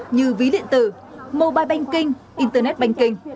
như ví điện tử mobile banking internet banking